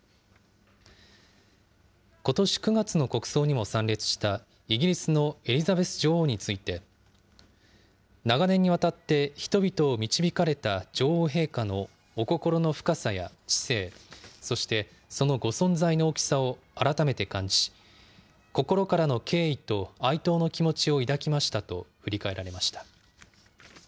ことし９月の国葬にも参列したイギリスのエリザベス女王について、長年にわたって人々を導かれた女王陛下のお心の深さや知性、そしてそのご存在の大きさを改めて感じ、心からの敬意と哀悼の気持ちを抱きましたと振り返られました。